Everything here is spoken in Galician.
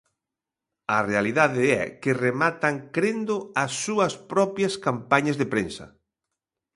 A realidade é que rematan crendo as súas propias campañas de prensa.